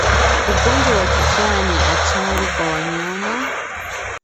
Ugonjwa wa kichaa ni hatari kwa wanyama